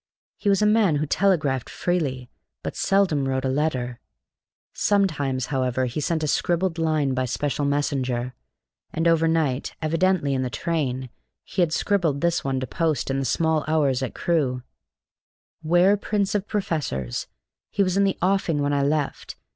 He was a man who telegraphed freely, but seldom wrote a letter. Sometimes, however, he sent a scribbled line by special messenger; and overnight, evidently in the train, he had scribbled this one to post in the small hours at Crewe: "'Ware Prince of Professors! _He was in the offing when I left.